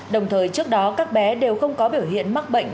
đồng thời trước đó các bé đều không có biểu hiện mắc bệnh